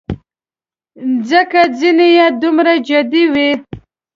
ځکه ځینې یې دومره جدي وې.